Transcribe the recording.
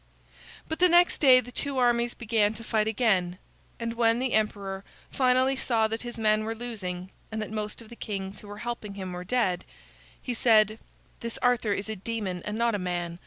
But the next day the two armies began to fight again, and when the emperor finally saw that his men were losing and that most of the kings who were helping him were dead, he said: "This Arthur is a demon and not a man.